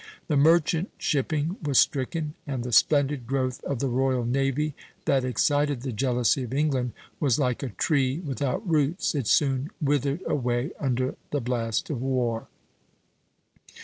The merchant shipping was stricken, and the splendid growth of the royal navy, that excited the jealousy of England, was like a tree without roots; it soon withered away under the blast of war.